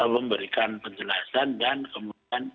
memberikan penjelasan dan kemudian